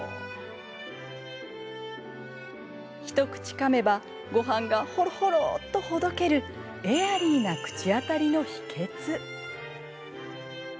一口かめばごはんが、ほろほろっとほどけるエアリーな口当たりの秘けつ。